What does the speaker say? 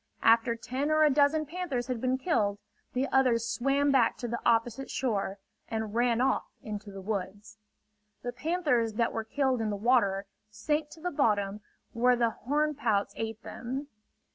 After ten or a dozen panthers had been killed, the others swam back to the opposite shore and ran off into the woods. The panthers that were killed in the water, sank to the bottom where the horn pouts ate them.